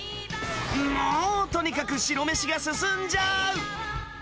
もうとにかく白飯が進んじゃう。